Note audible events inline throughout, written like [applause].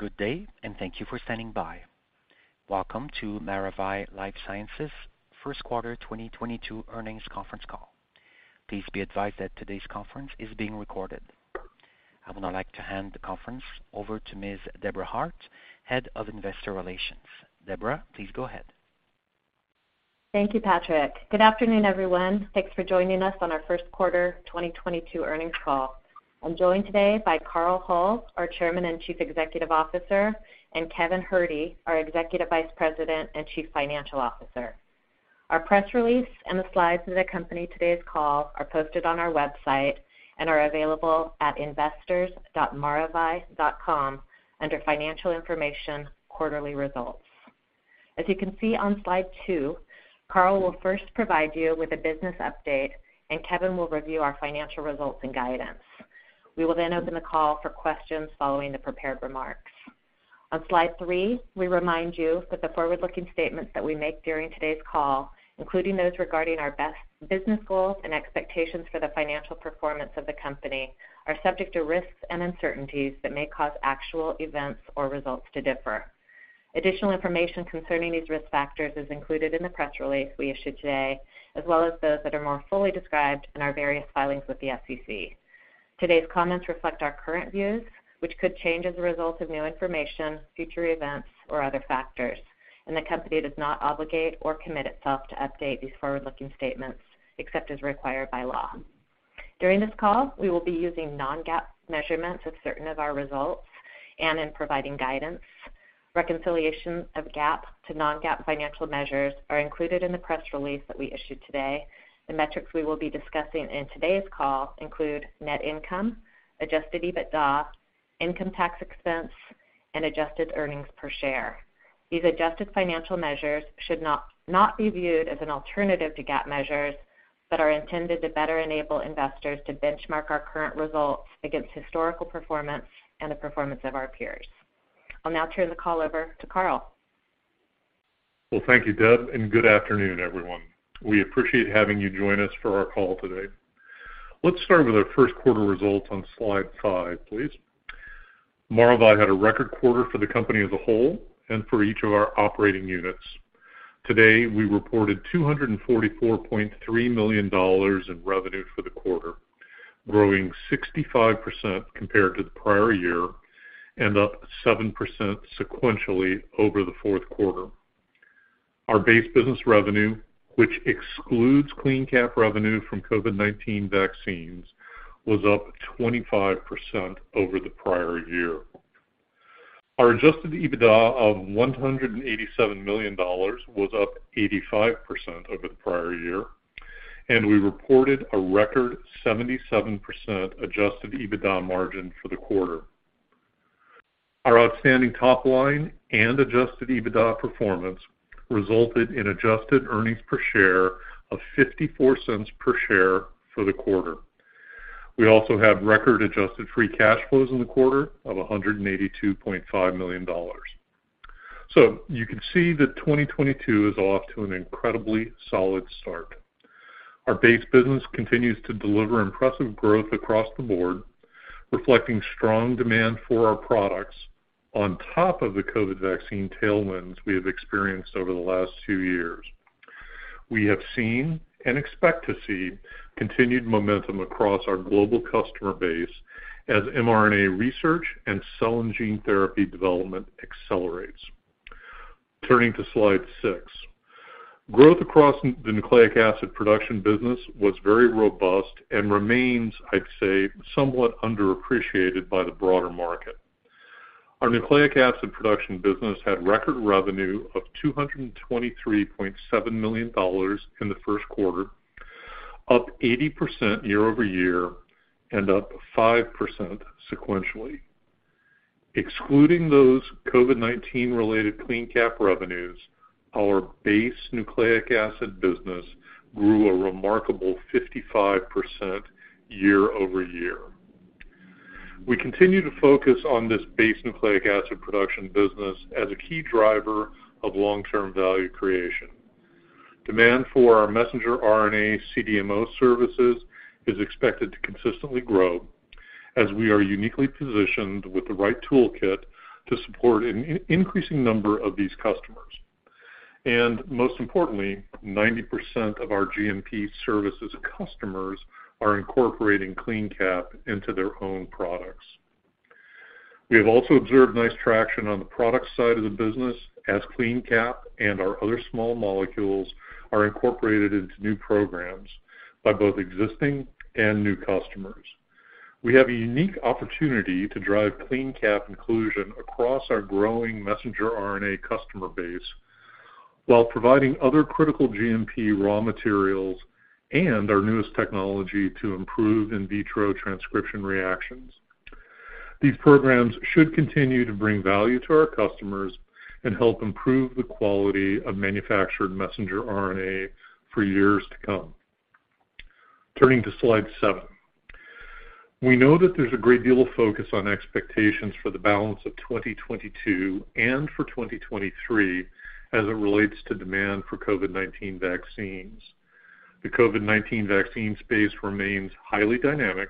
Good day, thank you for standing by. Welcome to Maravai LifeSciences Q1 2022 earnings conference call. Please be advised that today's conference is being recorded. I would now like to hand the conference over to Ms. Deborah Hart, Head of Investor Relations. Deborah, please go ahead. Thank you, Patrick. Good afternoon, everyone. Thanks for joining us on our Q1 2022 earnings call. I'm joined today by Carl Hull, our Chairman and Chief Executive Officer, and Kevin Herde, our Executive Vice President and Chief Financial Officer. Our press release and the slides that accompany today's call are posted on our website and are available at investors.maravai.com under Financial Information, Quarterly Results. As you can see on slide two, Carl will first provide you with a business update, and Kevin will review our financial results and guidance. We will then open the call for questions following the prepared remarks. On slide three, we remind you that the forward-looking statements that we make during today's call, including those regarding our business goals and expectations for the financial performance of the company, are subject to risks and uncertainties that may cause actual events or results to differ. Additional information concerning these risk factors is included in the press release we issued today, as well as those that are more fully described in our various filings with the SEC. Today's comments reflect our current views, which could change as a result of new information, future events, or other factors, and the company does not obligate or commit itself to update these forward-looking statements except as required by law. During this call, we will be using non-GAAP measurements of certain of our results and in providing guidance. Reconciliation of GAAP to non-GAAP financial measures are included in the press release that we issued today. The metrics we will be discussing in today's call include net income, Adjusted EBITDA, income tax expense, and adjusted earnings per share. These adjusted financial measures should not be viewed as an alternative to GAAP measures, but are intended to better enable investors to benchmark our current results against historical performance and the performance of our peers. I'll now turn the call over to Carl. Well, thank you, Deb, and good afternoon, everyone. We appreciate having you join us for our call today. Let's start with our Q1 results on slide five, please. Maravai had a record quarter for the company as a whole and for each of our operating units. Today, we reported $244.3 million in revenue for the quarter, growing 65% compared to the prior year and up 7% sequentially over the Q4. Our base business revenue, which excludes CleanCap revenue from COVID-19 vaccines, was up 25% over the prior year. Our adjusted EBITDA of $187 million was up 85% over the prior year, and we reported a record 77% adjusted EBITDA margin for the quarter. Our outstanding top line and adjusted EBITDA performance resulted in adjusted earnings per share of $0.54 for the quarter. We also have record adjusted free cash flows in the quarter of $182.5 million. You can see that 2022 is off to an incredibly solid start. Our base business continues to deliver impressive growth across the board, reflecting strong demand for our products on top of the COVID vaccine tailwinds we have experienced over the last two years. We have seen and expect to see continued momentum across our global customer base as mRNA research and cell and gene therapy development accelerates. Turning to slide six. Growth across the nucleic acid production business was very robust and remains, I'd say, somewhat underappreciated by the broader market. Our nucleic acid production business had record revenue of $223.7 million in the Q1, up 80% year-over-year and up 5% sequentially. Excluding those COVID-19 related CleanCap revenues, our base nucleic acid business grew a remarkable 55% year-over-year. We continue to focus on this base nucleic acid production business as a key driver of long-term value creation. Demand for our messenger RNA CDMO services is expected to consistently grow as we are uniquely positioned with the right toolkit to support an increasing number of these customers. Most importantly, 90% of our GMP services customers are incorporating CleanCap into their own products. We have also observed nice traction on the product side of the business as CleanCap and our other small molecules are incorporated into new programs by both existing and new customers. We have a unique opportunity to drive CleanCap inclusion across our growing messenger RNA customer base while providing other critical GMP raw materials and our newest technology to improve in vitro transcription reactions. These programs should continue to bring value to our customers and help improve the quality of manufactured messenger RNA for years to come. Turning to slide seven. We know that there's a great deal of focus on expectations for the balance of 2022 and for 2023 as it relates to demand for COVID-19 vaccines. The COVID-19 vaccine space remains highly dynamic,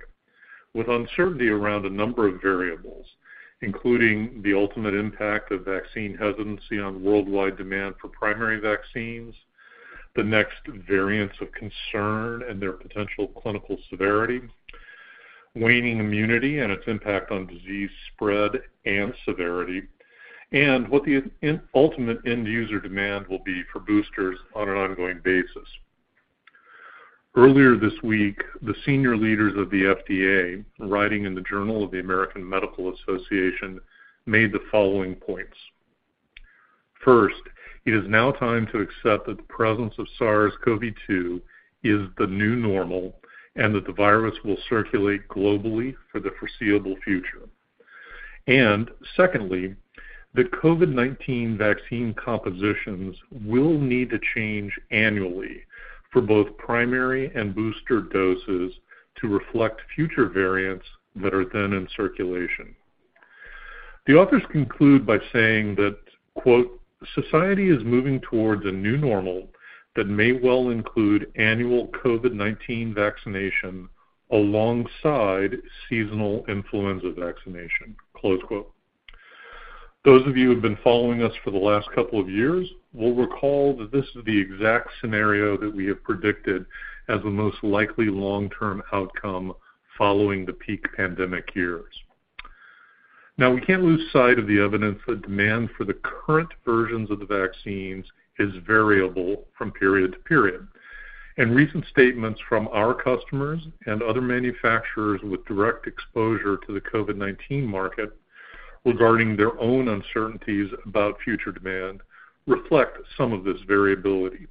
with uncertainty around a number of variables, including the ultimate impact of vaccine hesitancy on worldwide demand for primary vaccines, the next variants of concern and their potential clinical severity, waning immunity and its impact on disease spread and severity, and what the ultimate end user demand will be for boosters on an ongoing basis. Earlier this week, the senior leaders of the FDA, writing in the Journal of the American Medical Association, made the following points. First, it is now time to accept that the presence of SARS-CoV-2 is the new normal, and that the virus will circulate globally for the foreseeable future. Secondly, the COVID-19 vaccine compositions will need to change annually for both primary and booster doses to reflect future variants that are then in circulation. The authors conclude by saying that, quote, "Society is moving towards a new normal that may well include annual COVID-19 vaccination alongside seasonal influenza vaccination," close quote. Those of you who have been following us for the last couple of years will recall that this is the exact scenario that we have predicted as the most likely long-term outcome following the peak pandemic years. Now, we can't lose sight of the evidence that demand for the current versions of the vaccines is variable from period to period. Recent statements from our customers and other manufacturers with direct exposure to the COVID-19 market regarding their own uncertainties about future demand reflect some of this variability.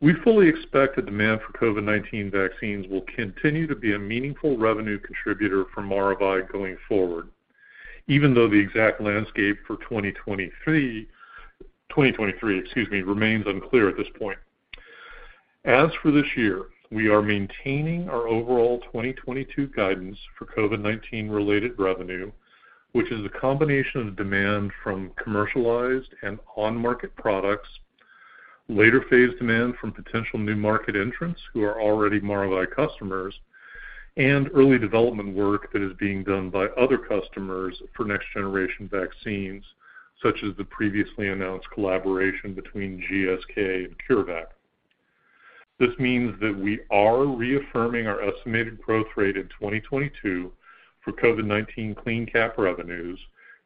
We fully expect that demand for COVID-19 vaccines will continue to be a meaningful revenue contributor for Maravai going forward, even though the exact landscape for 2023, excuse me, remains unclear at this point. As for this year, we are maintaining our overall 2022 guidance for COVID-19 related revenue, which is a combination of demand from commercialized and on-market products, later phase demand from potential new market entrants who are already Maravai customers, and early development work that is being done by other customers for next-generation vaccines, such as the previously announced collaboration between GSK and CureVac. This means that we are reaffirming our estimated growth rate in 2022 for COVID-19 CleanCap revenues,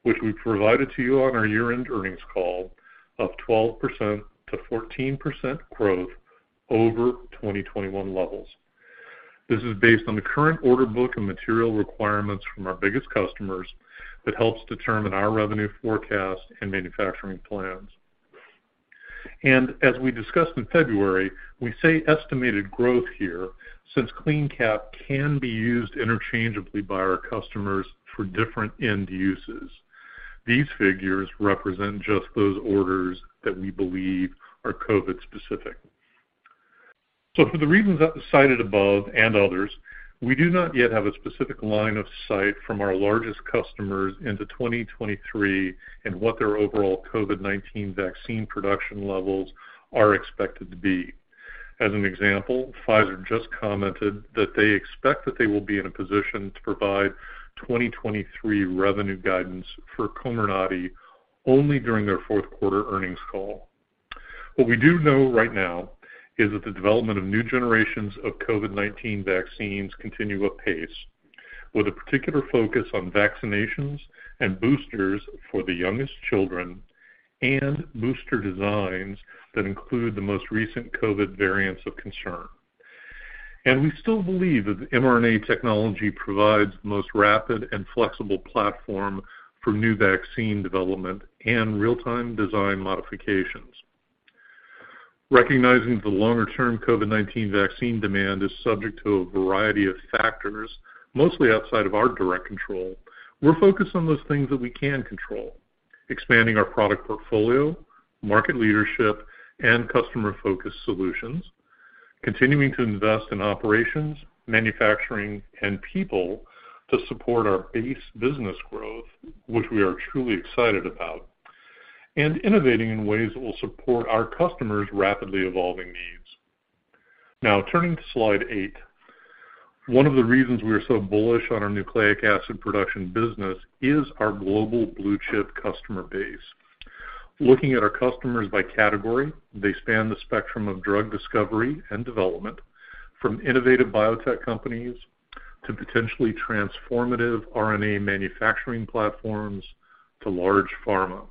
which we provided to you on our year-end earnings call of 12%-14% growth over 2021 levels. This is based on the current order book and material requirements from our biggest customers that helps determine our revenue forecast and manufacturing plans. As we discussed in February, we say estimated growth here since CleanCap can be used interchangeably by our customers for different end uses. These figures represent just those orders that we believe are COVID-specific. For the reasons cited above and others, we do not yet have a specific line of sight from our largest customers into 2023 and what their overall COVID-19 vaccine production levels are expected to be. As an example, Pfizer just commented that they expect that they will be in a position to provide 2023 revenue guidance for Comirnaty only during their fourth quarter earnings call. What we do know right now is that the development of new generations of COVID-19 vaccines continue apace, with a particular focus on vaccinations and boosters for the youngest children and booster designs that include the most recent COVID variants of concern. We still believe that the mRNA technology provides the most rapid and flexible platform for new vaccine development and real-time design modifications. Recognizing that the longer-term COVID-19 vaccine demand is subject to a variety of factors, mostly outside of our direct control, we're focused on those things that we can control, expanding our product portfolio, market leadership, and customer-focused solutions, continuing to invest in operations, manufacturing, and people to support our base business growth, which we are truly excited about, and innovating in ways that will support our customers' rapidly evolving needs. Now turning to slide eight. One of the reasons we are so bullish on our nucleic acid production business is our global blue chip customer base. Looking at our customers by category, they span the spectrum of drug discovery and development, from innovative biotech companies to potentially transformative RNA manufacturing platforms to large pharma.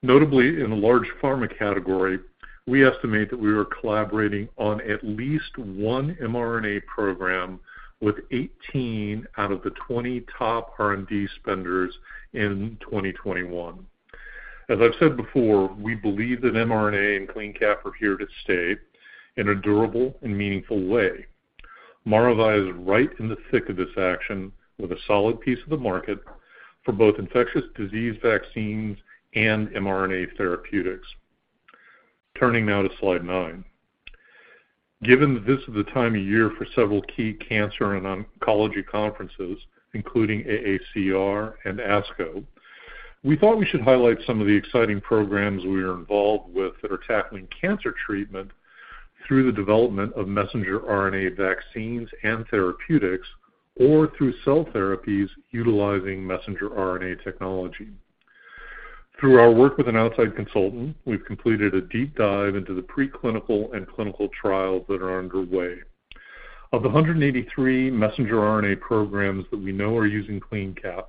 Notably, in the large pharma category, we estimate that we are collaborating on at least one mRNA program with 18 out of the 20 top R&D spenders in 2021. As I've said before, we believe that mRNA and CleanCap are here to stay in a durable and meaningful way. Maravai is right in the thick of this action with a solid piece of the market for both infectious disease vaccines and mRNA therapeutics. Turning now to slide nine. Given that this is the time of year for several key cancer and oncology conferences, including AACR and ASCO, we thought we should highlight some of the exciting programs we are involved with that are tackling cancer treatment through the development of messenger RNA vaccines and therapeutics, or through cell therapies utilizing messenger RNA technology. Through our work with an outside consultant, we've completed a deep dive into the preclinical and clinical trials that are underway. Of the 183 messenger RNA programs that we know are using CleanCap,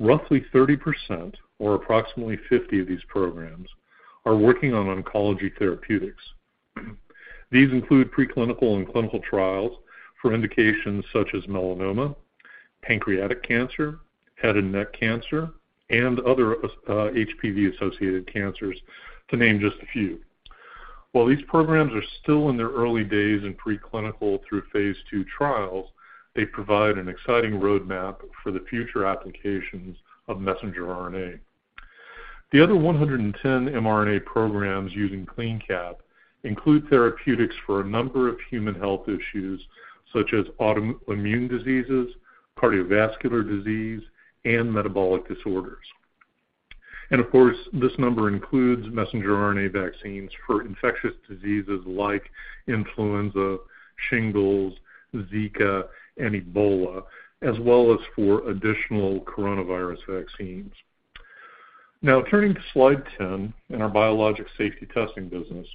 roughly 30% or approximately 50 of these programs are working on oncology therapeutics. These include preclinical and clinical trials for indications such as melanoma, pancreatic cancer, head and neck cancer, and other, HPV-associated cancers, to name just a few. While these programs are still in their early days in preclinical through phase two trials, they provide an exciting roadmap for the future applications of messenger RNA. The other 110 mRNA programs using CleanCap include therapeutics for a number of human health issues such as autoimmune diseases, cardiovascular disease, and metabolic disorders. Of course, this number includes messenger RNA vaccines for infectious diseases like influenza, shingles, Zika, and Ebola, as well as for additional coronavirus vaccines. Now turning to slide 10 in our Biologics Safety Testing business.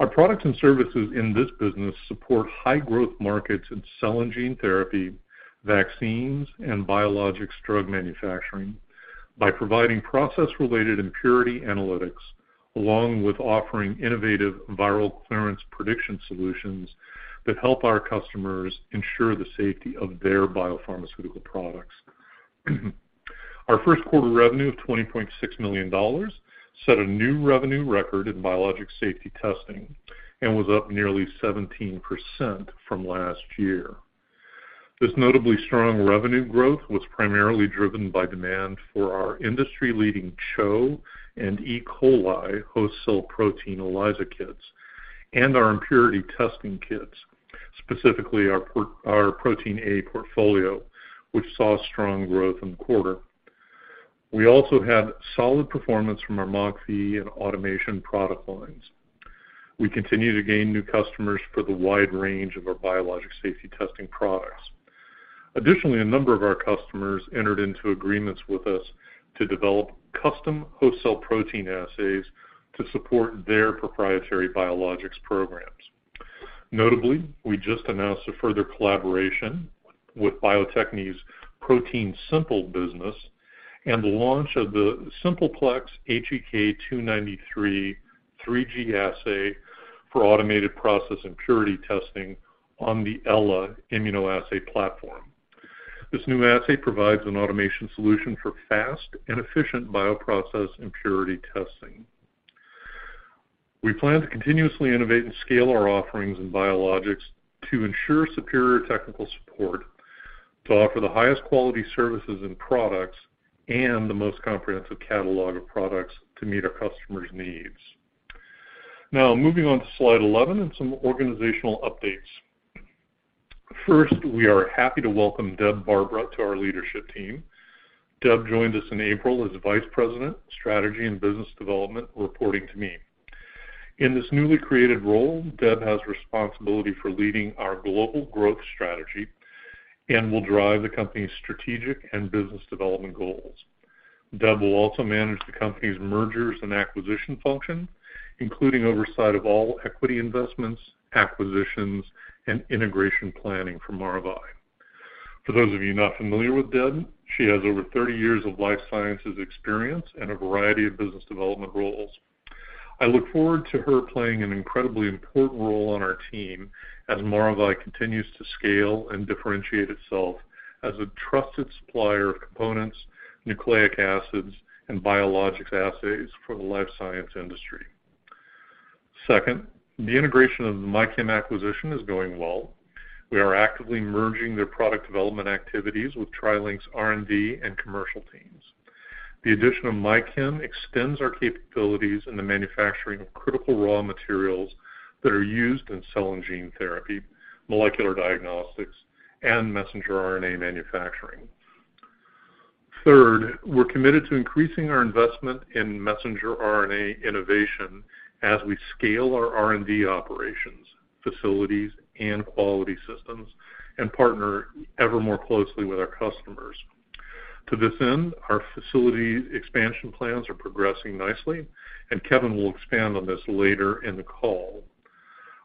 Our products and services in this business support high growth markets in cell and gene therapy, vaccines, and biologics drug manufacturing by providing process-related impurity analytics, along with offering innovative viral clearance prediction solutions that help our customers ensure the safety of their biopharmaceutical products. Our Q1 revenue of $20.6 million set a new revenue record in Biologics Safety Testing and was up nearly 17% from last year. This notably strong revenue growth was primarily driven by demand for our industry-leading CHO and E. coli host cell protein ELISA kits and our impurity testing kits, specifically our Protein A portfolio, which saw strong growth in the quarter. We also had solid performance from our Moxi and automation product lines. We continue to gain new customers for the wide range of our Biologics Safety Testing products. Additionally, a number of our customers entered into agreements with us to develop custom host cell protein assays to support their proprietary biologics programs. Notably, we just announced a further collaboration with Bio-Techne's ProteinSimple business and the launch of the Simple Plex HEK 293 3G assay for automated process and purity testing on the Ella immunoassay platform. This new assay provides an automation solution for fast and efficient bioprocess impurity testing. We plan to continuously innovate and scale our offerings in biologics to ensure superior technical support, to offer the highest quality services and products, and the most comprehensive catalog of products to meet our customers' needs. Now, moving on to slide 11 and some organizational updates. First, we are happy to welcome Deb Barbara to our leadership team. Deb joined us in April as Vice President, Strategy and Business Development, reporting to me. In this newly created role, Deb has responsibility for leading our global growth strategy and will drive the company's strategic and business development goals. Deb will also manage the company's mergers and acquisition function, including oversight of all equity investments, acquisitions, and integration planning for Maravai. For those of you not familiar with Deb, she has over 30 years of life sciences experience in a variety of business development roles. I look forward to her playing an incredibly important role on our team as Maravai continues to scale and differentiate itself as a trusted supplier of components, nucleic acids, and biologics assays for the life sciences industry. Second, the integration of the MyChem acquisition is going well. We are actively merging their product development activities with TriLink's R&D and commercial teams. The addition of MyChem extends our capabilities in the manufacturing of critical raw materials that are used in cell and gene therapy, molecular diagnostics, and messenger RNA manufacturing. Third, we're committed to increasing our investment in messenger RNA innovation as we scale our R&D operations, facilities, and quality systems and partner ever more closely with our customers. To this end, our facility expansion plans are progressing nicely, and Kevin will expand on this later in the call.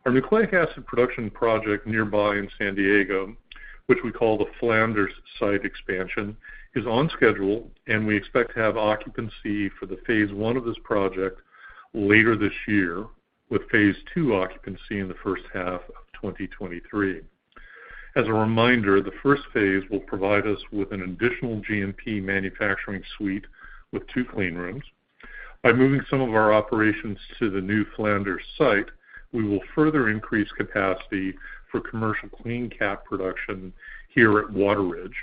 Our nucleic acid production project nearby in San Diego, which we call the Flanders site expansion, is on schedule, and we expect to have occupancy for the phase one of this project later this year, with phase II occupancy in the first half of 2023. As a reminder, the first phase will provide us with an additional GMP manufacturing suite with two clean rooms. By moving some of our operations to the new Flanders site, we will further increase capacity for commercial CleanCap production here at Wateridge,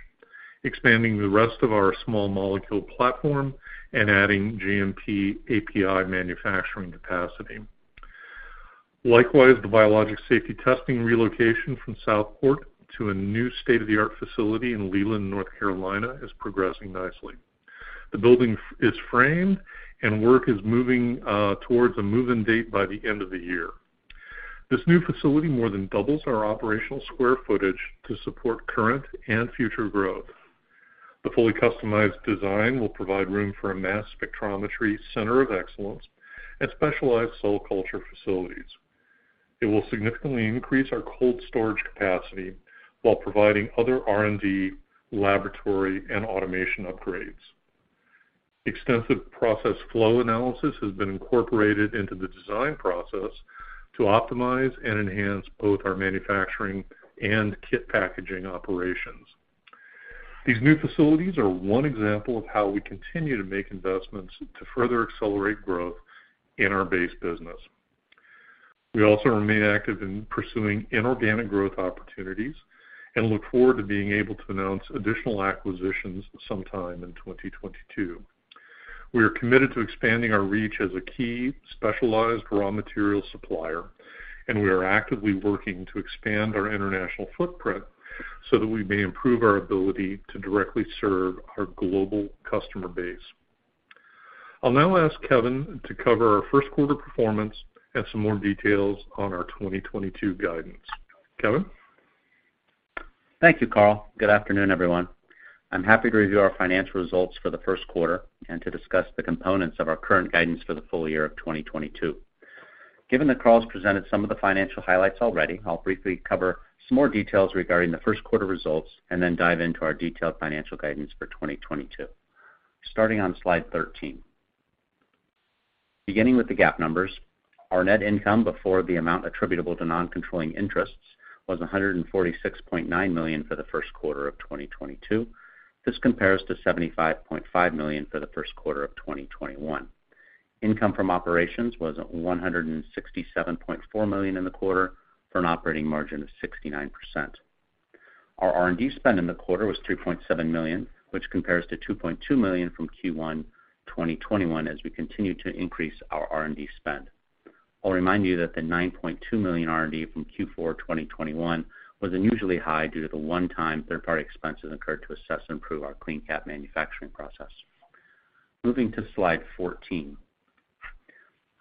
expanding the rest of our small molecule platform and adding GMP API manufacturing capacity. Likewise, the Biologics Safety Testing relocation from Southport to a new state-of-the-art facility in Leland, North Carolina, is progressing nicely. The building is framed and work is moving towards a move-in date by the end of the year. This new facility more than doubles our operational square footage to support current and future growth. The fully customized design will provide room for a mass spectrometry center of excellence and specialized cell culture facilities. It will significantly increase our cold storage capacity while providing other R&D, laboratory, and automation upgrades. Extensive process flow analysis has been incorporated into the design process to optimize and enhance both our manufacturing and kit packaging operations. These new facilities are one example of how we continue to make investments to further accelerate growth in our base business. We also remain active in pursuing inorganic growth opportunities and look forward to being able to announce additional acquisitions sometime in 2022. We are committed to expanding our reach as a key specialized raw material supplier, and we are actively working to expand our international footprint so that we may improve our ability to directly serve our global customer base. I'll now ask Kevin to cover our Q1 performance and some more details on our 2022 guidance. Kevin? Thank you, Carl. Good afternoon, everyone. I'm happy to review our financial results for the Q1 and to discuss the components of our current guidance for the full year of 2022. Given that Carl's presented some of the financial highlights already, I'll briefly cover some more details regarding the Q1 results and then dive into our detailed financial guidance for 2022. Starting on slide 13. Beginning with the GAAP numbers, our net income before the amount attributable to non-controlling interests was $146.9 million for the Q1 of 2022. This compares to $75.5 million for the Q1 of 2021. Income from operations was $167.4 million in the quarter, for an operating margin of 69%. Our R&D spend in the quarter was $3.7 million, which compares to $2.2 million from Q1 2021 as we continue to increase our R&D spend. I'll remind you that the $9.2 million R&D from Q4 2021 was unusually high due to the one-time third-party expenses incurred to assess and improve our CleanCap manufacturing process. Moving to slide 14.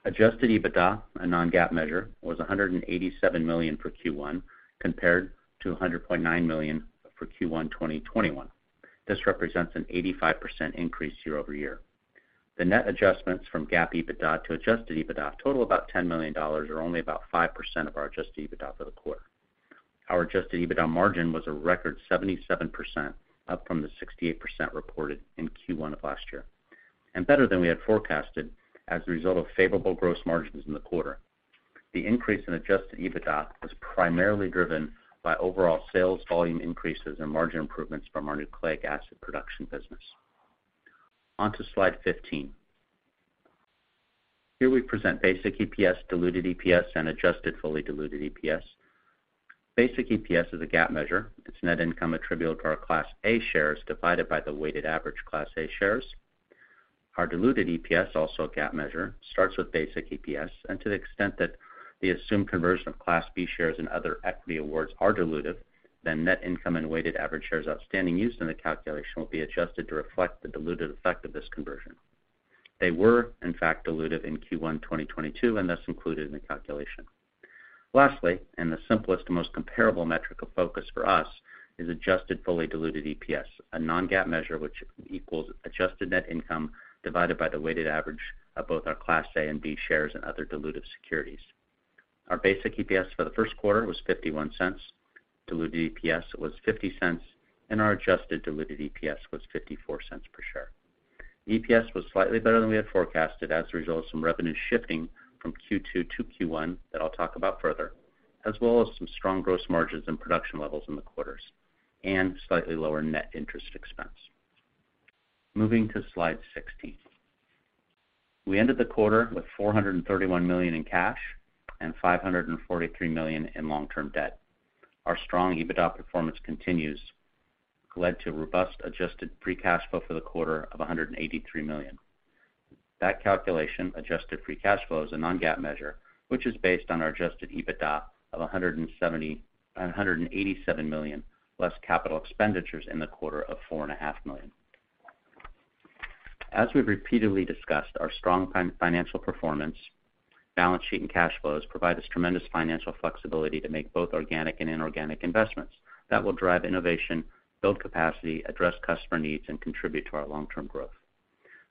Adjusted EBITDA, a non-GAAP measure, was $187 million for Q1 compared to $100.9 million for Q1 2021. This represents an 85% increase year-over-year. The net adjustments from GAAP EBITDA to adjusted EBITDA total about $10 million, are only about 5% of our adjusted EBITDA for the quarter. Our adjusted EBITDA margin was a record 77%, up from the 68% reported in Q1 of last year, and better than we had forecasted as a result of favorable gross margins in the quarter. The increase in adjusted EBITDA was primarily driven by overall sales volume increases and margin improvements from our nucleic acid production business. On to slide 15. Here we present basic EPS, diluted EPS, and adjusted fully diluted EPS. Basic EPS is a GAAP measure. It's net income attributable to our Class A shares divided by the weighted average Class A shares. Our diluted EPS, also a GAAP measure, starts with basic EPS, and to the extent that the assumed conversion of Class B shares and other equity awards are dilutive, then net income and weighted average shares outstanding used in the calculation will be adjusted to reflect the dilutive effect of this conversion. They were, in fact, dilutive in Q1 2022 and thus included in the calculation. Lastly, and the simplest, most comparable metric of focus for us is adjusted fully diluted EPS, a non-GAAP measure which equals adjusted net income divided by the weighted average of both our Class A and B shares and other dilutive securities. Our basic EPS for the Q1 was $0.51, diluted EPS was $0.50, and our adjusted diluted EPS was $0.54 per share. EPS was slightly better than we had forecasted as a result of some revenue shifting from Q2 to Q1 that I'll talk about further, as well as some strong gross margins and production levels in the quarters, and slightly lower net interest expense. Moving to slide 16. We ended the quarter with $431 million in cash and $543 million in long-term debt. Our strong EBITDA performance continues to lead to robust adjusted free cash flow for the quarter of $183 million. That calculation, adjusted free cash flow, is a non-GAAP measure, which is based on our adjusted EBITDA of $187 million less capital expenditures in the quarter of $4.5 million. We've repeatedly discussed, our strong financial performance, balance sheet, and cash flows provide us tremendous financial flexibility to make both organic and inorganic investments that will drive innovation, build capacity, address customer needs, and contribute to our long-term growth.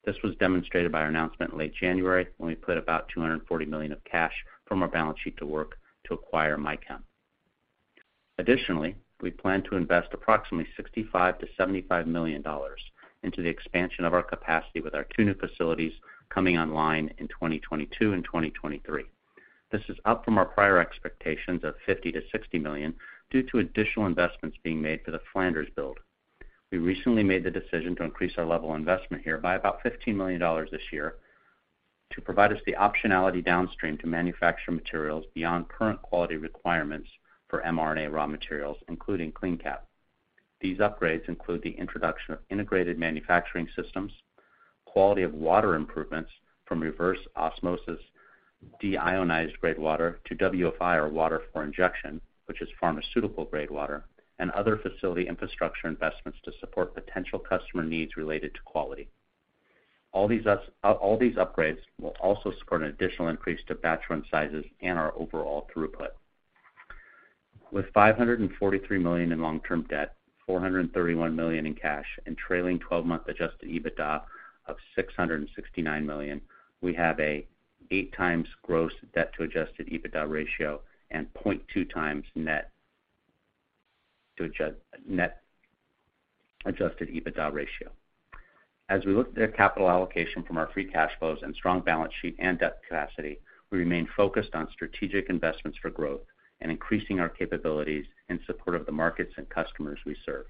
This was demonstrated by our announcement in late January when we put about $240 million of cash from our balance sheet to work to acquire MyChem. Additionally, we plan to invest approximately $65 million-$75 million into the expansion of our capacity with our two new facilities coming online in 2022 and 2023. This is up from our prior expectations of $50 million-$60 million due to additional investments being made for the Flanders build. We recently made the decision to increase our level of investment here by about $15 million this year to provide us the optionality downstream to manufacture materials beyond current quality requirements for mRNA raw materials, including CleanCap. These upgrades include the introduction of integrated manufacturing systems, quality of water improvements from reverse osmosis, deionized grade water to WFI or water for injection, which is pharmaceutical grade water, and other facility infrastructure investments to support potential customer needs related to quality. All these upgrades will also secure an additional increase to batch run sizes and our overall throughput. With $543 million in long-term debt, $431 million in cash, and trailing twelve-month adjusted EBITDA of $669 million, we have an 8x gross debt to adjusted EBITDA ratio and 0.2x net adjusted EBITDA ratio. As we look at our capital allocation from our free cash flows and strong balance sheet and debt capacity, we remain focused on strategic investments for growth and increasing our capabilities in support of the markets and customers we serve.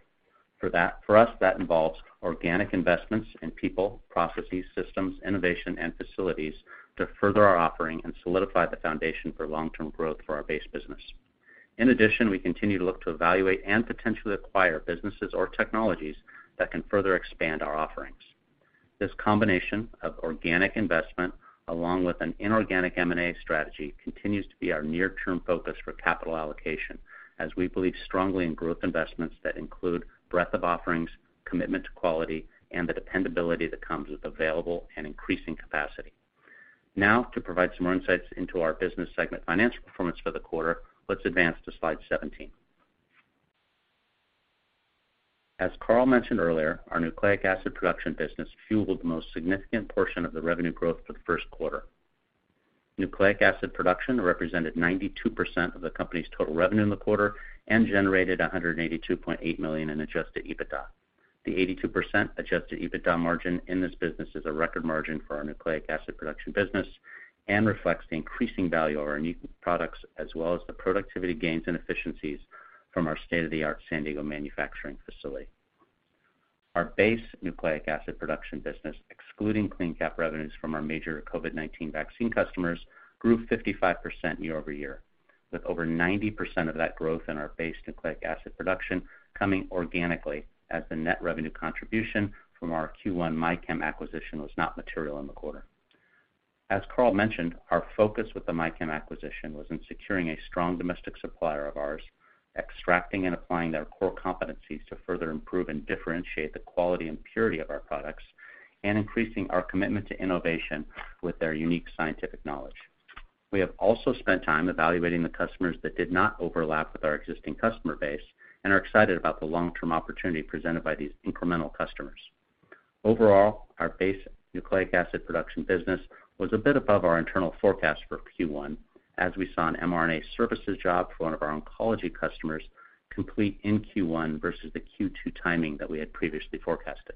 For us, that involves organic investments in people, processes, systems, innovation, and facilities to further our offering and solidify the foundation for long-term growth for our base business. In addition, we continue to look to evaluate and potentially acquire businesses or technologies that can further expand our offerings. This combination of organic investment, along with an inorganic M&A strategy, continues to be our near-term focus for capital allocation, as we believe strongly in growth investments that include breadth of offerings, commitment to quality, and the dependability that comes with available and increasing capacity. Now, to provide some more insights into our business segment financial performance for the quarter, let's advance to slide 17. As Carl mentioned earlier, our Nucleic Acid Production business fueled the most significant portion of the revenue growth for the first quarter. Nucleic Acid Production represented 92% of the company's total revenue in the quarter and generated $182.8 million in adjusted EBITDA. The 82% adjusted EBITDA margin in this business is a record margin for our Nucleic Acid Production business and reflects the increasing value of our new products as well as the productivity gains and efficiencies from our state-of-the-art San Diego manufacturing facility. Our base Nucleic Acid Production business, excluding CleanCap revenues from our major COVID-19 vaccine customers, grew 55% year-over-year, with over 90% of that growth in our base Nucleic Acid Production coming organically as the net revenue contribution from our Q1 MyChem acquisition was not material in the quarter. As Carl mentioned, our focus with the MyChem acquisition was in securing a strong domestic supplier of ours, extracting and applying their core competencies to further improve and differentiate the quality and purity of our products, and increasing our commitment to innovation with their unique scientific knowledge. We have also spent time evaluating the customers that did not overlap with our existing customer base and are excited about the long-term opportunity presented by these incremental customers. Overall, our base Nucleic Acid Production business was a bit above our internal forecast for Q1 as we saw an mRNA services job for one of our oncology customers complete in Q1 versus the Q2 timing that we had previously forecasted.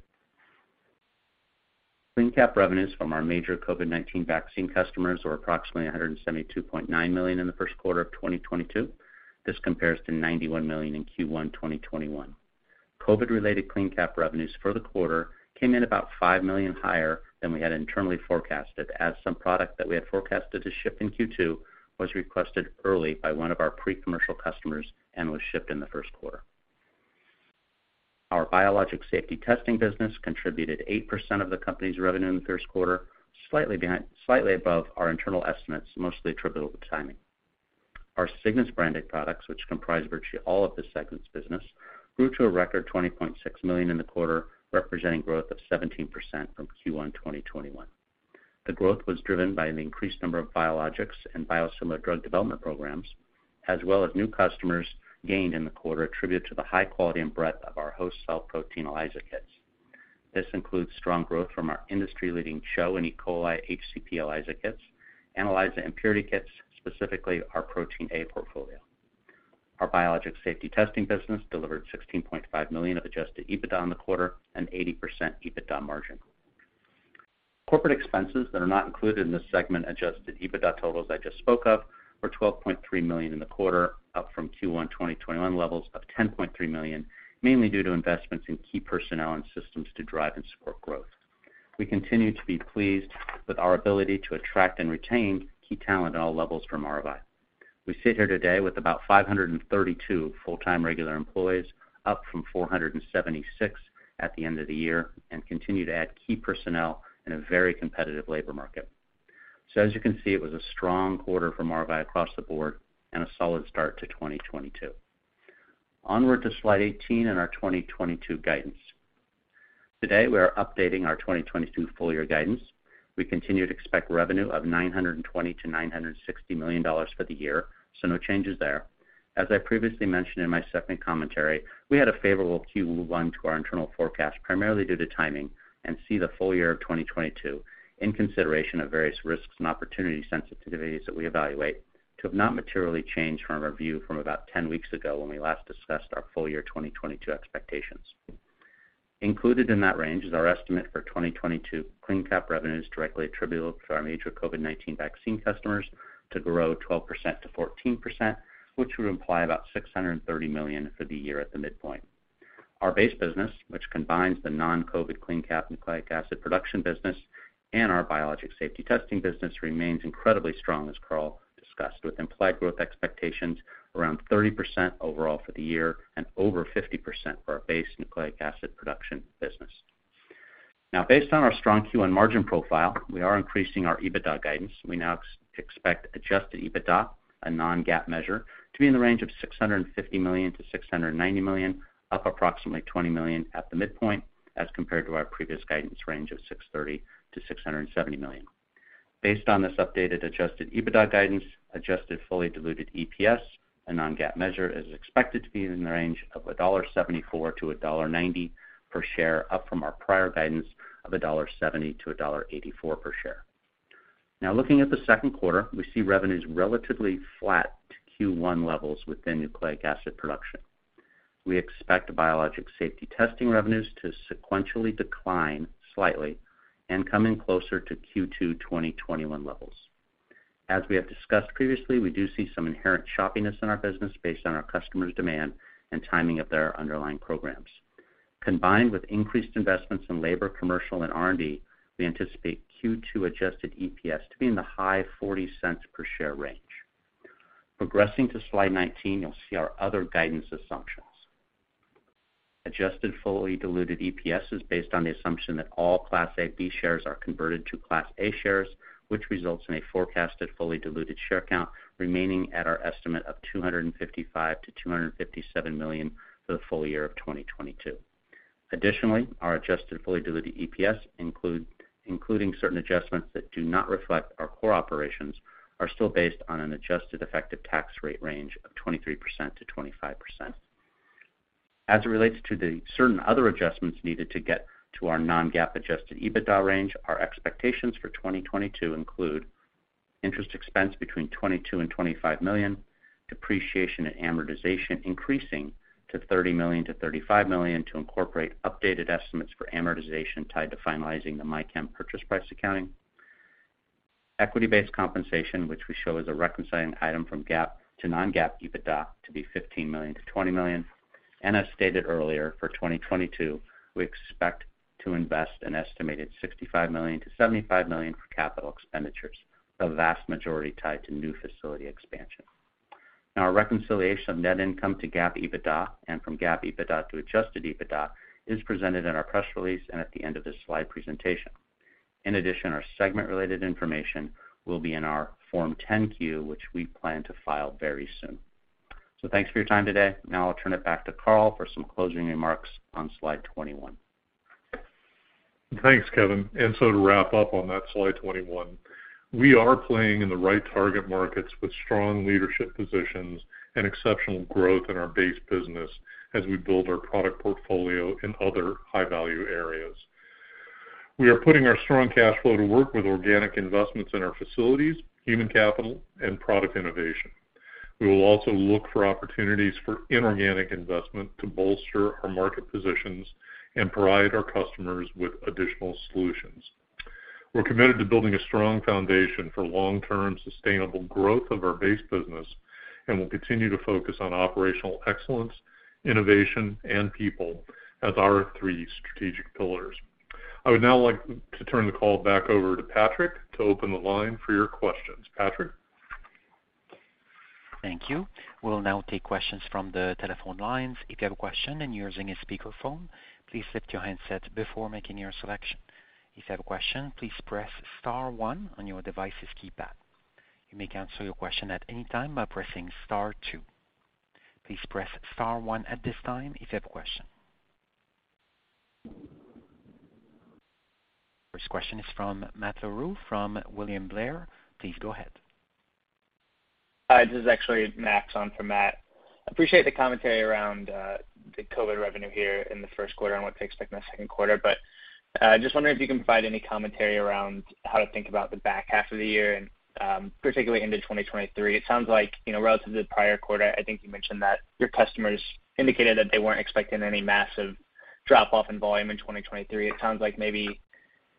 CleanCap revenues from our major COVID-19 vaccine customers were approximately $172 million in the Q1 of 2022. This compares to $91 million in Q1 2021. COVID-related CleanCap revenues for the quarter came in about $5 million higher than we had internally forecasted, as some product that we had forecasted to ship in Q2 was requested early by one of our pre-commercial customers and was shipped in the Q1. Our Biologics Safety Testing business contributed 8% of the company's revenue in the Q1, slightly above our internal estimates, mostly attributable to timing. Our Cygnus branded products, which comprise virtually all of this segment's business, grew to a record $20.6 million in the quarter, representing growth of 17% from Q1 2021. The growth was driven by an increased number of biologics and biosimilar drug development programs, as well as new customers gained in the quarter attributed to the high quality and breadth of our host cell protein ELISA kits. This includes strong growth from our industry-leading CHO and E. coli HCP ELISA kits, ELISA impurity kits, specifically our Protein A portfolio. Our Biologics Safety Testing business delivered $16.5 million of adjusted EBITDA in the quarter and 80% EBITDA margin. Corporate expenses that are not included in this segment adjusted EBITDA totals I just spoke of were $12.3 million in the quarter, up from Q1 2021 levels of $10.3 million, mainly due to investments in key personnel and systems to drive and support growth. We continue to be pleased with our ability to attract and retain key talent at all levels from Maravai. We sit here today with about 532 full-time regular employees, up from 476 at the end of the year, and continue to add key personnel in a very competitive labor market. As you can see, it was a strong quarter for Maravai across the board and a solid start to 2022. Onward to slide 18 and our 2022 guidance. Today, we are updating our 2022 full year guidance. We continue to expect revenue of $920 million-$960 million for the year, so no changes there. As I previously mentioned in my segment commentary, we had a favorable Q1 to our internal forecast, primarily due to timing, and we see the full year of 2022 in consideration of various risks and opportunity sensitivities that we evaluate to have not materially changed from our view from about 10 weeks ago when we last discussed our full year 2022 expectations. Included in that range is our estimate for 2022 CleanCap revenues directly attributable to our major COVID-19 vaccine customers to grow 12%-14%, which would imply about $630 million for the year at the midpoint. Our base business, which combines the non-COVID CleanCap nucleic acid production business and our biologics safety testing business, remains incredibly strong, as Carl discussed, with implied growth expectations around 30% overall for the year and over 50% for our base nucleic acid production business. Now based on our strong Q1 margin profile, we are increasing our EBITDA guidance. We now expect adjusted EBITDA, a non-GAAP measure, to be in the range of $650 million-$690 million, up approximately $20 million at the midpoint as compared to our previous guidance range of $630 million-$670 million. Based on this updated adjusted EBITDA guidance, adjusted fully diluted EPS, a non-GAAP measure, is expected to be in the range of $1.74-$1.90 per share, up from our prior guidance of $1.70-$1.84 per share. Now looking at the Q2, we see revenues relatively flat to Q1 levels within nucleic acid production. We expect Biologics Safety Testing revenues to sequentially decline slightly and come in closer to Q2 2021 levels. As we have discussed previously, we do see some inherent choppiness in our business based on our customers' demand and timing of their underlying programs. Combined with increased investments in labor, commercial, and R&D, we anticipate Q2 adjusted EPS to be in the high $0.40 per share range. Progressing to slide 19, you'll see our other guidance assumptions. Adjusted fully diluted EPS is based on the assumption that all Class A and Class B shares are converted to Class A shares, which results in a forecasted fully diluted share count remaining at our estimate of 255,000,000-257,000,000 for the full year of 2022. Additionally, our adjusted fully diluted EPS, including certain adjustments that do not reflect our core operations, are still based on an adjusted effective tax rate range of 23%-25%. As it relates to the certain other adjustments needed to get to our non-GAAP adjusted EBITDA range, our expectations for 2022 include interest expense between $22-$25 million, depreciation and amortization increasing to $30 million-$35 million to incorporate updated estimates for amortization tied to finalizing the MyChem purchase price accounting. Equity-based compensation, which we show as a reconciling item from GAAP to non-GAAP EBITDA to be $15 million-$20 million. As stated earlier, for 2022, we expect to invest an estimated $65 million-$75 million for capital expenditures, the vast majority tied to new facility expansion. Now our reconciliation of net income to GAAP EBITDA and from GAAP EBITDA to adjusted EBITDA is presented in our press release and at the end of this slide presentation. In addition, our segment-related information will be in our Form 10-Q, which we plan to file very soon. Thanks for your time today. Now I'll turn it back to Carl for some closing remarks on slide 21. Thanks, Kevin. To wrap up on that slide 21, we are playing in the right target markets with strong leadership positions and exceptional growth in our base business as we build our product portfolio in other high-value areas. We are putting our strong cash flow to work with organic investments in our facilities, human capital, and product innovation. We will also look for opportunities for inorganic investment to bolster our market positions and provide our customers with additional solutions. We're committed to building a strong foundation for long-term sustainable growth of our base business, and we'll continue to focus on operational excellence, innovation, and people as our three strategic pillars. I would now like to turn the call back over to Patrick to open the line for your questions. Patrick? Thank you. We'll now take questions from the telephone lines. If you have a question and you're using a speakerphone, please lift your handset before making your selection. If you have a question, please press star one on your device's keypad. You may cancel your question at any time by pressing star two. Please press star one at this time if you have a question. First question is from Matt Larew from William Blair. Please go ahead. Hi, this is actually Max on for Matt. Appreciate the commentary around the COVID revenue here in the Q1 and what to expect in the Q2. Just wondering if you can provide any commentary around how to think about the back half of the year and particularly into 2023. It sounds like, you know, relative to the prior quarter, I think you mentioned that your customers indicated that they weren't expecting any massive drop-off in volume in 2023. It sounds like maybe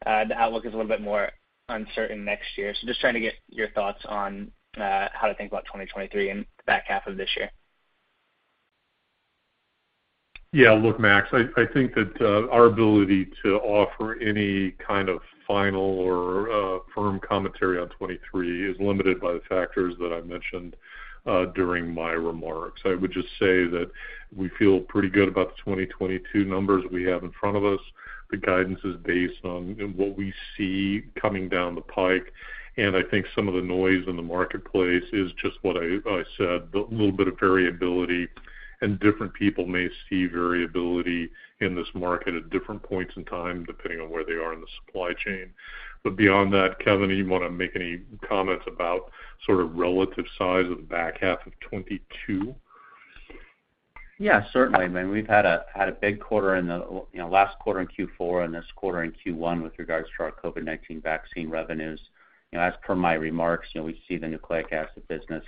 the outlook is a little bit more uncertain next year. Just trying to get your thoughts on how to think about 2023 and the back half of this year. Yeah. Look, Max, I think that our ability to offer any kind of final or firm commentary on 2023 is limited by the factors that I mentioned during my remarks. I would just say that we feel pretty good about the 2022 numbers we have in front of us. The guidance is based on what we see coming down the pike, and I think some of the noise in the marketplace is just what I said, the little bit of variability, and different people may see variability in this market at different points in time, depending on where they are in the supply chain. Beyond that, Kevin, you wanna make any comments about sort of relative size of the back half of 2022? Yeah, certainly. I mean, we've had a big quarter in you know, last quarter in Q4 and this quarter in Q1 with regards to our COVID-19 vaccine revenues. You know, as per my remarks, you know, we see the nucleic acid business,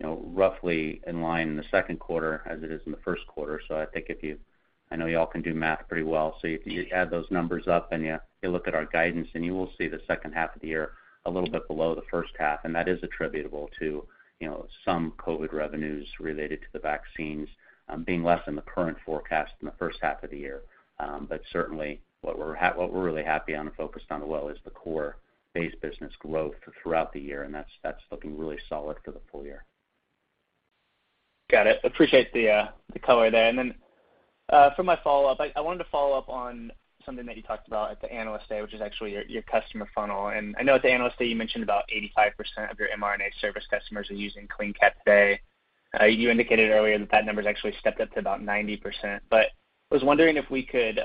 you know, roughly in line in the Q2 as it is in the Q1. I think if you, I know you all can do math pretty well, so if you add those numbers up and you look at our guidance, then you will see the second half of the year a little bit below the first half, and that is attributable to, you know, some COVID revenues related to the vaccines being less than the current forecast in the first half of the year. Certainly what we're really happy on and focused on as well is the core base business growth throughout the year, and that's looking really solid for the full year. Got it. Appreciate the color there. For my follow-up, I wanted to follow up on something that you talked about at the Analyst Day, which is actually your customer funnel. I know at the Analyst Day, you mentioned about 85% of your mRNA service customers are using CleanCap today. You indicated earlier that that number is actually stepped up to about 90%. I was wondering if we could,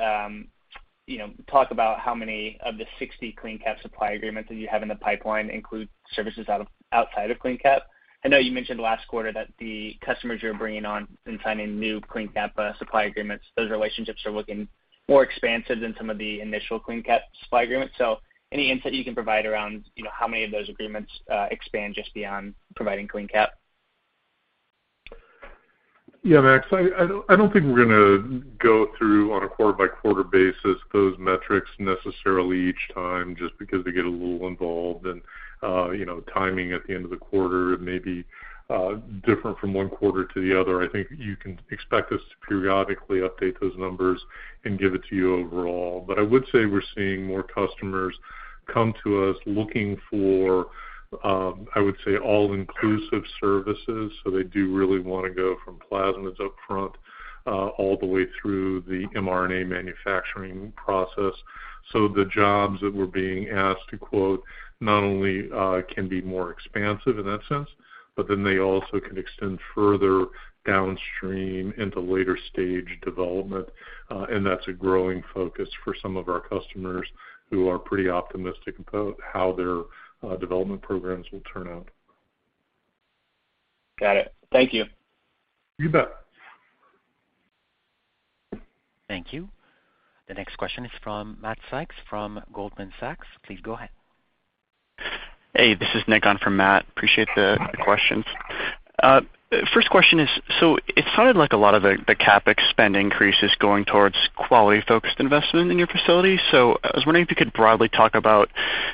you know, talk about how many of the 60 CleanCap supply agreements that you have in the pipeline include services outside of CleanCap. I know you mentioned last quarter that the customers you're bringing on and signing new CleanCap supply agreements, those relationships are looking more expansive than some of the initial CleanCap supply agreements. Any insight you can provide around, you know, how many of those agreements expand just beyond providing CleanCap? Yeah, Max, I don't think we're gonna go through on a quarter-by-quarter basis those metrics necessarily each time just because they get a little involved. You know, timing at the end of the quarter may be different from one quarter to the other. I think you can expect us to periodically update those numbers and give it to you overall. I would say we're seeing more customers come to us looking for, I would say, all-inclusive services. They do really wanna go from plasmids upfront all the way through the mRNA manufacturing process. The jobs that we're being asked to quote not only can be more expansive in that sense, but then they also can extend further downstream into later stage development, and that's a growing focus for some of our customers who are pretty optimistic about how their development programs will turn out. Got it. Thank you. You bet. Thank you. The next question is from Matt Sykes from Goldman Sachs. Please go ahead. Hey, this is Nick on for Matt. Appreciate the questions. First question is, so it sounded like a lot of the CapEx spend increase is going towards quality-focused investment in your facility. I was wondering if you could broadly talk about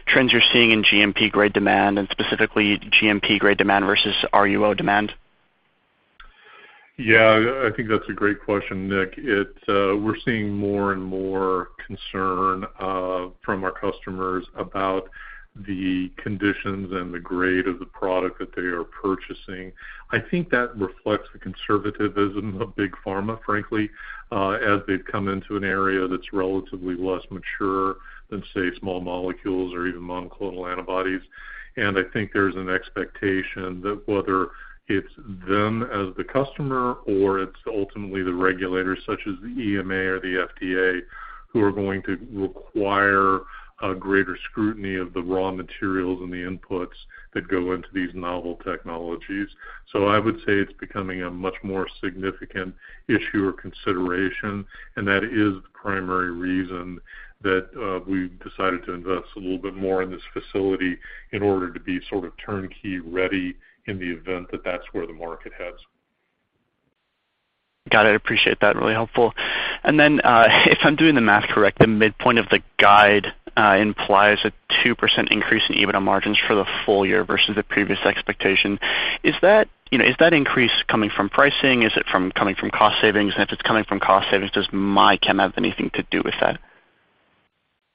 trends you're seeing in GMP grade demand and specifically GMP grade demand versus RUO demand. Yeah. I think that's a great question, Nick. We're seeing more and more concern from our customers about the conditions and the grade of the product that they are purchasing. I think that reflects the conservatism of big pharma, frankly, as they've come into an area that's relatively less mature than, say, small molecules or even monoclonal antibodies. I think there's an expectation that whether it's them as the customer or it's ultimately the regulators such as the EMA or the FDA who are going to require a greater scrutiny of the raw materials and the inputs that go into these novel technologies. I would say it's becoming a much more significant issue or consideration, and that is the primary reason that we've decided to invest a little bit more in this facility in order to be sort of turnkey ready in the event that that's where the market heads. Got it. Appreciate that. Really helpful. If I'm doing the math correct, the midpoint of the guide implies a 2% increase in EBITDA margins for the full year versus the previous expectation. Is that, you know, is that increase coming from pricing? Is it coming from cost savings? If it's coming from cost savings, does MyChem have anything to do with that?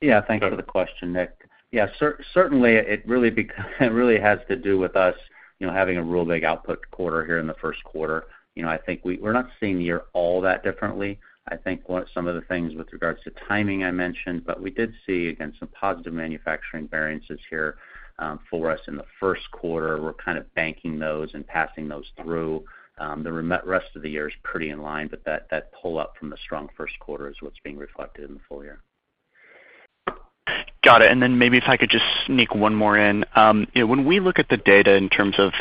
Yeah. Thanks for the question, Nick. Yeah, certainly, it really has to do with us, you know, having a real big output quarter here in the Q1. You know, I think we're not seeing the year all that differently. I think some of the things with regards to timing I mentioned, but we did see, again, some positive manufacturing variances here for us in the Q1. We're kind of banking those and passing those through. The rest of the year is pretty in line, but that pull up from the strong first quarter is what's being reflected in the full year. Got it. Maybe if I could just sneak one more in. You know, when we look at the data in terms of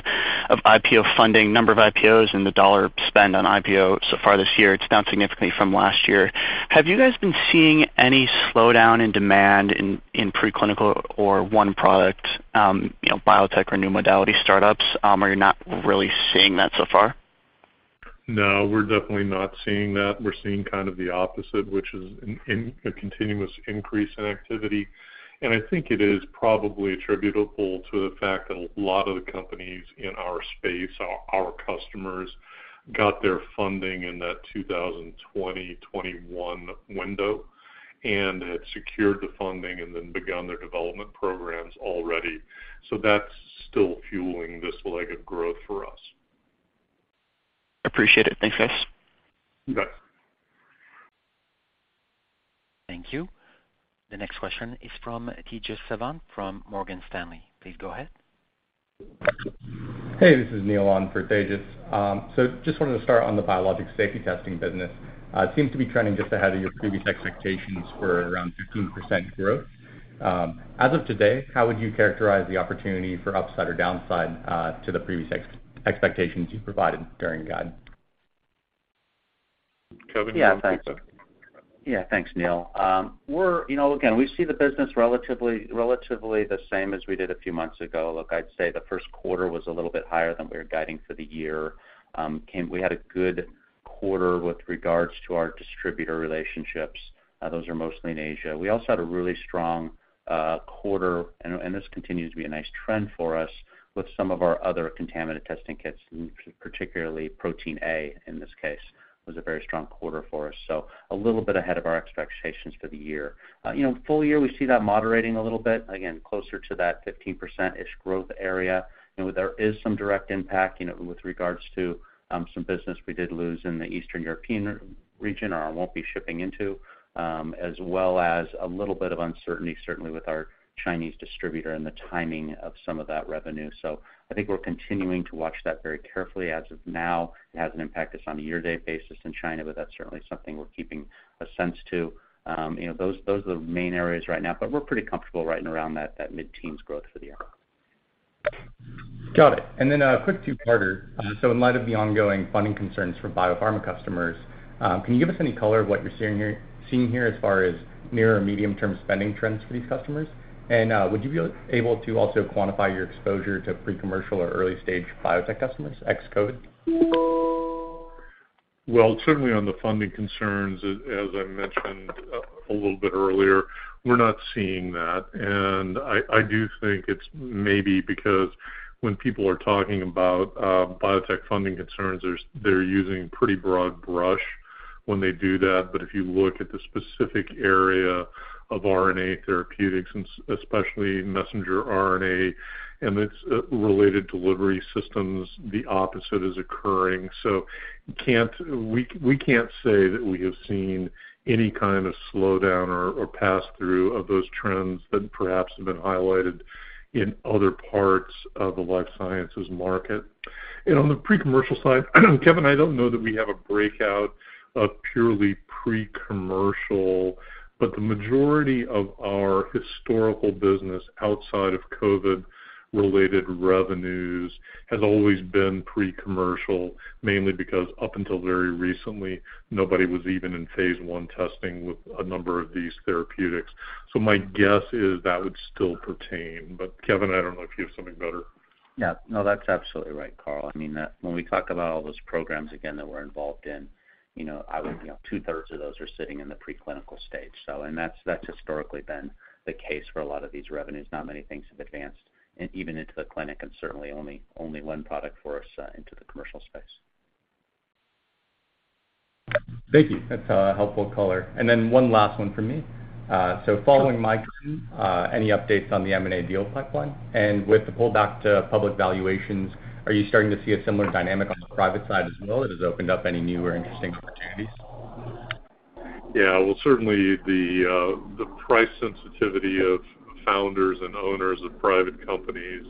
IPO funding, number of IPOs and the dollar spend on IPO so far this year, it's down significantly from last year. Have you guys been seeing any slowdown in demand in pre-clinical or one product, you know, biotech or new modality startups? Are you not really seeing that so far? No, we're definitely not seeing that. We're seeing kind of the opposite, which is in a continuous increase in activity. I think it is probably attributable to the fact that a lot of the companies in our space, our customers got their funding in that 2020-2021 window and had secured the funding and then begun their development programs already. That's still fueling this leg of growth for us. Appreciate it. Thanks, guys. You bet. Thank you. The next question is from Tejas Sawant from Morgan Stanley. Please go ahead. Hey, this is Neil on for Tejas. Just wanted to start on the Biologics Safety Testing business. It seems to be trending just ahead of your previous expectations for around 15% growth. As of today, how would you characterize the opportunity for upside or downside to the previous expectations you provided during guidance? Kevin, do you want [crosstalk] to take that? Yeah. Thanks. Yeah. Thanks, Neil. We're, you know, again, we see the business relatively the same as we did a few months ago. Look, I'd say the first quarter was a little bit higher than we were guiding for the year. We had a good quarter with regards to our distributor relationships. Those are mostly in Asia. We also had a really strong quarter and this continues to be a nice trend for us with some of our other contaminant testing kits. In particular, Protein A in this case was a very strong quarter for us. So a little bit ahead of our expectations for the year. You know, full year, we see that moderating a little bit, again, closer to that 15%-ish growth area. You know, there is some direct impact, you know, with regards to some business we did lose in the Eastern European region or won't be shipping into, as well as a little bit of uncertainty, certainly with our Chinese distributor and the timing of some of that revenue. I think we're continuing to watch that very carefully. As of now, it hasn't impacted us on a year-to-date basis in China, but that's certainly something we're keeping an eye on. You know, those are the main areas right now, but we're pretty comfortable right around that mid-teens growth for the year. Got it. A quick two-parter. In light of the ongoing funding concerns for biopharma customers, can you give us any color on what you're seeing here as far as near- or medium-term spending trends for these customers? Would you be able to also quantify your exposure to pre-commercial or early-stage biotech customers, ex COVID? Well, certainly on the funding concerns, as I mentioned a little bit earlier, we're not seeing that. I do think it's maybe because when people are talking about biotech funding concerns, they're using pretty broad brush when they do that. If you look at the specific area of RNA therapeutics, and especially messenger RNA and its related delivery systems, the opposite is occurring. We can't say that we have seen any kind of slowdown or pass through of those trends that perhaps have been highlighted in other parts of the life sciences market. On the pre-commercial side, Kevin, I don't know that we have a breakout of purely pre-commercial, but the majority of our historical business outside of COVID-related revenues has always been pre-commercial, mainly because up until very recently, nobody was even in phase I testing with a number of these therapeutics. My guess is that would still pertain. Kevin, I don't know if you have something better. Yeah. No, that's absolutely right, Carl. I mean, that when we talk about all those programs again that we're involved in, you know, I would, you know, 2/3 of those are sitting in the pre-clinical stage. So and that's historically been the case for a lot of these revenues. Not many things have advanced and even into the clinic, and certainly only one product for us into the commercial space. Thank you. That's a helpful color. One last one from me. Following my team, any updates on the M&A deal pipeline? With the pull back to public valuations, are you starting to see a similar dynamic on the private side as well as it's opened up any new or interesting opportunities? Yeah. Well, certainly the price sensitivity of founders and owners of private companies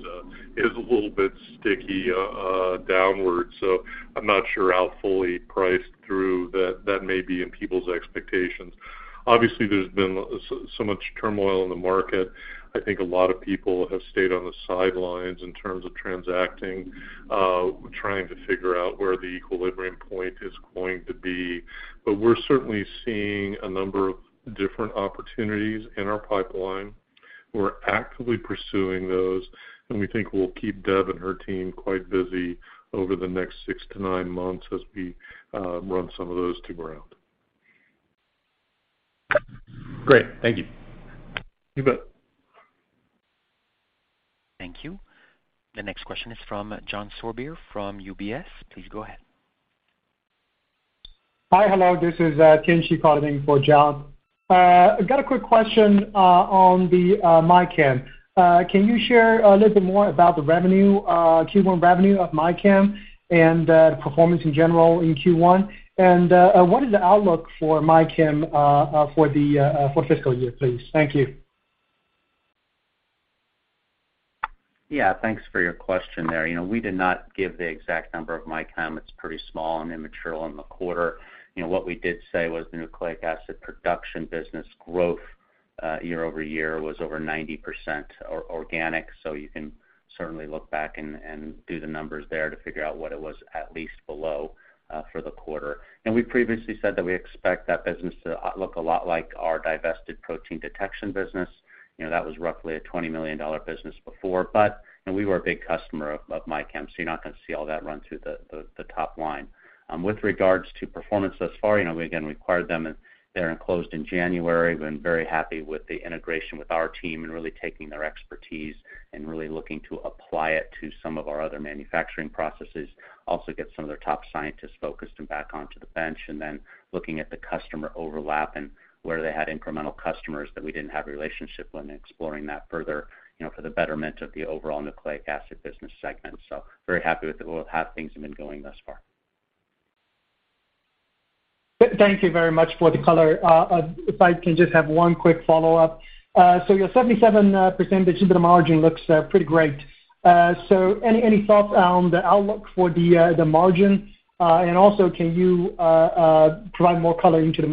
is a little bit sticky downward, so I'm not sure how fully priced through that may be in people's expectations. Obviously, there's been so much turmoil in the market. I think a lot of people have stayed on the sidelines in terms of transacting, trying to figure out where the equilibrium point is going to be. We're certainly seeing a number of different opportunities in our pipeline. We're actively pursuing those, and we think we'll keep Deb and her team quite busy over the next six to nine months as we run some of those to ground. Great. Thank you. You bet. Thank you. The next question is from John Sourbeer from UBS. Please go ahead. Hi. Hello. This is Tianshi calling for John. I've got a quick question on MyChem. Can you share a little bit more about the revenue, Q1 revenue of MyChem and the performance in general in Q1? What is the outlook for MyChem for the fiscal year, please? Thank you. Yeah, thanks for your question there. You know, we did not give the exact number of MyChem. It's pretty small and immature in the quarter. You know, what we did say was the nucleic acid production business growth year over year was over 90% organic, so you can certainly look back and do the numbers there to figure out what it was at least below for the quarter. We previously said that we expect that business to look a lot like our divested protein detection business. You know, that was roughly a $20 million business before, but we were a big customer of MyChem, so you're not gonna see all that run through the top line. With regards to performance thus far, you know, we again acquired them in early January. We've been very happy with the integration with our team and really taking their expertise and really looking to apply it to some of our other manufacturing processes, also get some of their top scientists focused and back onto the bench, and then looking at the customer overlap and where they had incremental customers that we didn't have a relationship with and exploring that further, you know, for the betterment of the overall nucleic acid business segment. Very happy with how things have been going thus far. Thank you very much for the color. If I can just have one quick follow-up. Your 77% of the margin looks pretty great. Any thoughts on the outlook for the margin? Also can you provide more color into the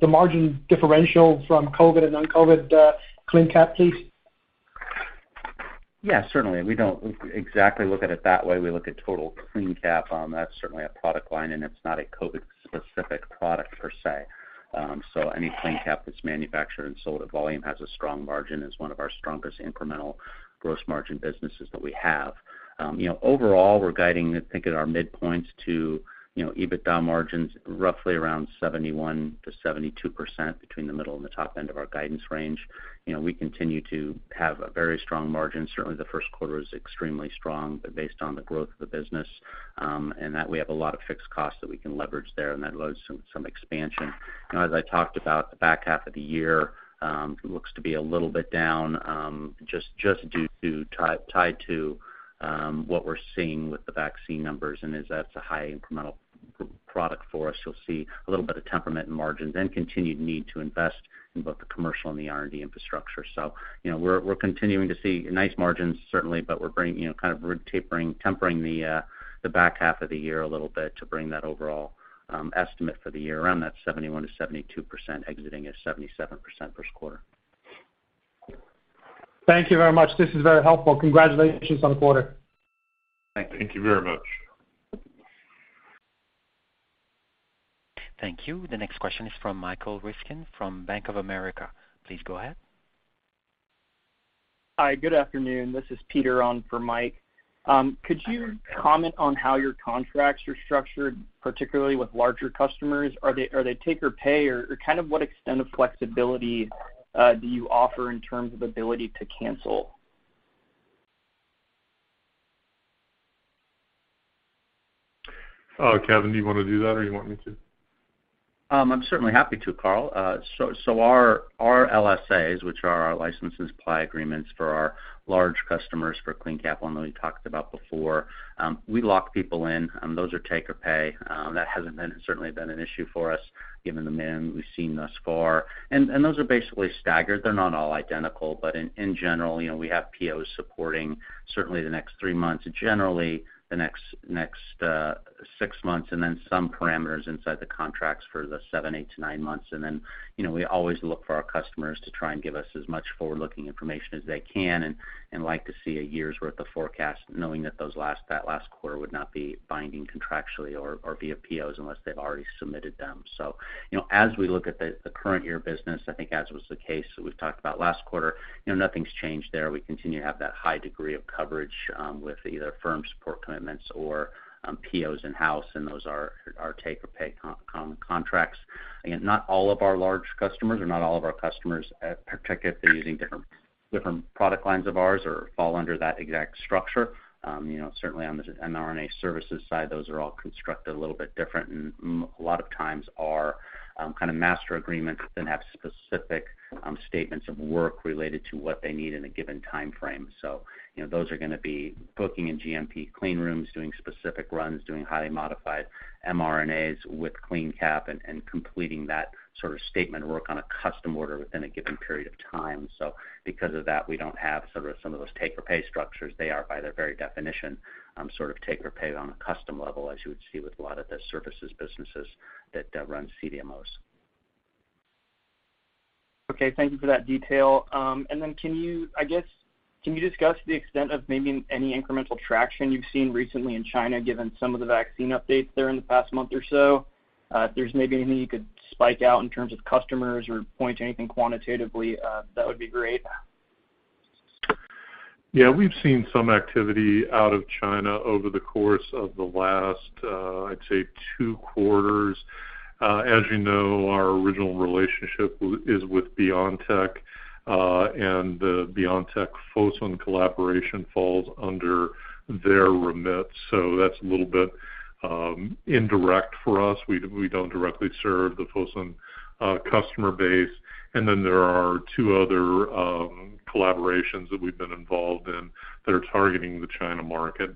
margin differential from COVID and non-COVID CleanCap, please? Yeah, certainly we don't exactly look at it that way. We look at total CleanCap on that, certainly a product line, and it's not a COVID specific product per se. So any CleanCap that's manufactured and sold at volume has a strong margin, is one of our strongest incremental gross margin businesses that we have. You know, overall, we're guiding, I think at our midpoints to, you know, EBITDA margins roughly around 71%-72% between the middle and the top end of our guidance range. You know, we continue to have a very strong margin. Certainly the first quarter is extremely strong, but based on the growth of the business, and that we have a lot of fixed costs that we can leverage there, and that allows some expansion. Now, as I talked about, the back half of the year looks to be a little bit down, just due to tied to what we're seeing with the vaccine numbers, and as that's a high incremental product for us, you'll see a little bit of tempering in margins and continued need to invest in both the commercial and the R&D infrastructure. You know, we're continuing to see nice margins certainly, but we're bringing, you know, kind of tempering the back half of the year a little bit to bring that overall estimate for the year around that 71%-72% exiting at 77% Q1. Thank you very much. This is very helpful. Congratulations on the quarter. Thank you. Thank you very much. Thank you. The next question is from Michael Ryskin from Bank of America. Please go ahead. Hi, good afternoon. This is Peter on for Mike. Could you comment on how your contracts are structured, particularly with larger customers? Are they take or pay or kind of what extent of flexibility do you offer in terms of ability to cancel? Kevin, do you wanna do that or you want me to? I'm certainly happy to Carl. Our LSAs, which are our license and supply agreements for our large customers for CleanCap, and we talked about before, we lock people in, and those are take or pay. That hasn't certainly been an issue for us given the demand we've seen thus far. Those are basically staggered. They're not all identical, but in general, you know, we have POs supporting certainly the next three months, generally the next six months, and then some parameters inside the contracts for the seven to nine months. You know, we always look for our customers to try and give us as much forward-looking information as they can and like to see a year's worth of forecast knowing that that last quarter would not be binding contractually or via POs unless they've already submitted them. You know, as we look at the current year business, I think as was the case that we've talked about last quarter, you know nothing's changed there. We continue to have that high degree of coverage with either firm support commitments or POs in house, and those are take or pay contracts. Again, not all of our large customers or not all of our customers, particularly if they're using different product lines of ours or fall under that exact structure. You know, certainly on the mRNA services side, those are all constructed a little bit different and a lot of times are kind of master agreements that then have specific statements of work related to what they need in a given timeframe. You know, those are gonna be booking in GMP clean rooms, doing specific runs, doing highly modified mRNAs with CleanCap and completing that sort of statement of work on a custom order within a given period of time. Because of that, we don't have sort of some of those take or pay structures. They are, by their very definition, sort of take or pay on a custom level as you would see with a lot of the services businesses that run CDMOs. Okay, thank you for that detail. Can you discuss the extent of maybe any incremental traction you've seen recently in China, given some of the vaccine updates there in the past month or so? If there's maybe anything you could speak to in terms of customers or point to anything quantitatively, that would be great. Yeah. We've seen some activity out of China over the course of the last, I'd say 2 quarters. As you know, our original relationship is with BioNTech, and the BioNTech Fosun collaboration falls under their remit. That's a little bit indirect for us. We don't directly serve the Fosun customer base. Then there are two other collaborations that we've been involved in that are targeting the China market.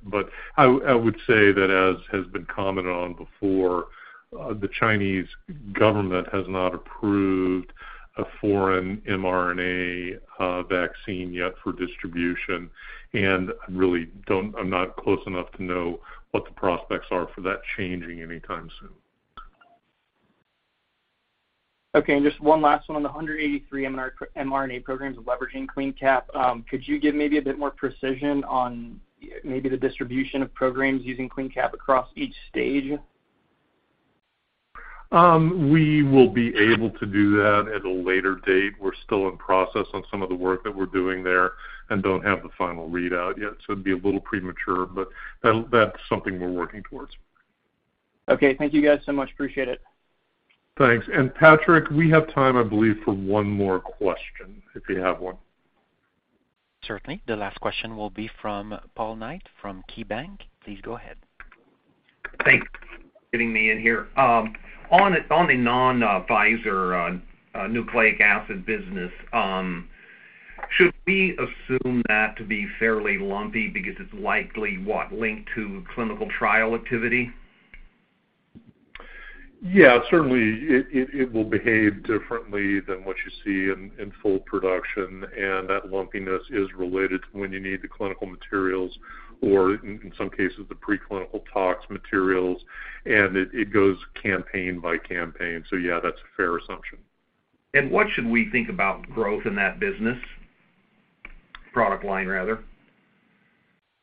I would say that, as has been commented on before, the Chinese government has not approved a foreign mRNA vaccine yet for distribution. I really, I'm not close enough to know what the prospects are for that changing anytime soon. Okay. Just one last one. On the 183 mRNA programs leveraging CleanCap, could you give maybe a bit more precision on maybe the distribution of programs using CleanCap across each stage? We will be able to do that at a later date. We're still in process on some of the work that we're doing there and don't have the final readout yet, so it'd be a little premature, but that's something we're working towards. Okay. Thank you guys so much. Appreciate it. Thanks. Patrick, we have time, I believe, for one more question, if you have one. Certainly. The last question will be from Paul Knight from KeyBanc. Please go ahead. Thanks for getting me in here. On a non-Pfizer nucleic acid business, should we assume that to be fairly lumpy because it's likely linked to clinical trial activity? Yeah, certainly it will behave differently than what you see in full production, and that lumpiness is related to when you need the clinical materials or in some cases the preclinical tox materials, and it goes campaign by campaign. Yeah, that's a fair assumption. What should we think about growth in that business? Product line rather.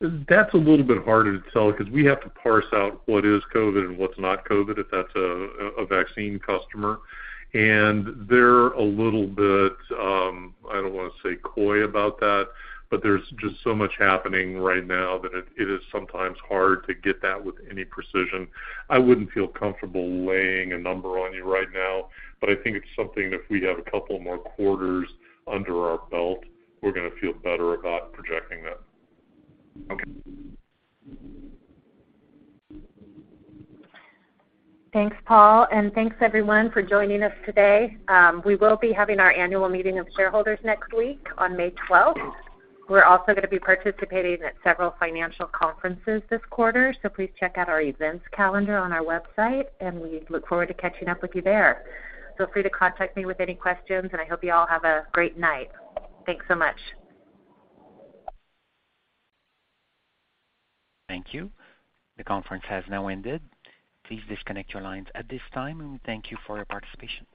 That's a little bit harder to tell because we have to parse out what is COVID and what's not COVID, if that's a vaccine customer. They're a little bit, I don't wanna say coy about that, but there's just so much happening right now that it is sometimes hard to get that with any precision. I wouldn't feel comfortable laying a number on you right now, but I think it's something if we have a couple more quarters under our belt, we're gonna feel better about projecting that. Okay. Thanks, Paul, and thanks everyone for joining us today. We will be having our annual meeting of shareholders next week on May 12th. We're also gonna be participating at several financial conferences this quarter, so please check out our events calendar on our website, and we look forward to catching up with you there. Feel free to contact me with any questions, and I hope you all have a great night. Thanks so much. Thank you. The conference has now ended. Please disconnect your lines at this time, and we thank you for your participation.